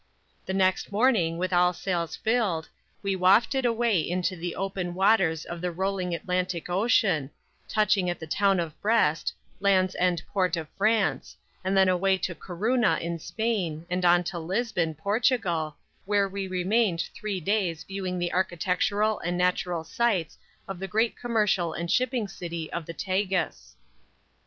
The next morning, with all sails filled, we wafted away into the open waters of the rolling Atlantic Ocean, touching at the town of Brest, land's end port of France, and then away to Corunna in Spain, and on to Lisbon, Portugal, where we remained three days viewing the architectural and natural sights of the great commercial and shipping city of the Tagus.